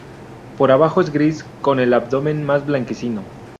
Por abajo es gris, con el abdomen más blanquecino.